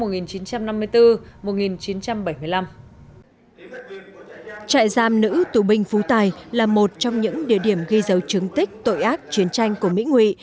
trại giam nữ tù binh phú tài là một trong những địa điểm ghi dấu chứng tích tội ác chiến tranh của mỹ nguy